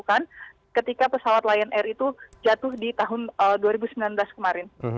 bahkan ketika pesawat lion air itu jatuh di tahun dua ribu sembilan belas kemarin